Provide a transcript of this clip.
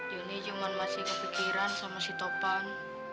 yuni cuma masih kepikiran sama si topan